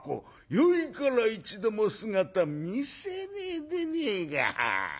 ゆうべから一度も姿見せねえでねえか。